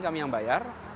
kami yang bayar